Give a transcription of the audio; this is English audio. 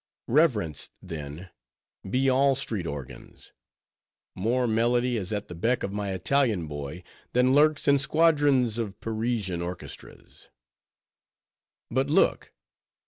Reverenced, then, be all street organs; more melody is at the beck of my Italian boy, than lurks in squadrons of Parisian orchestras. But look!